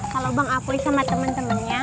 kalo bang apoi sama temen temennya